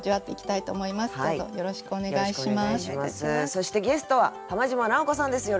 そしてゲストは浜島直子さんです。